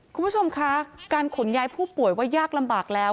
คุณผู้ชมคะการขนย้ายผู้ป่วยว่ายากลำบากแล้ว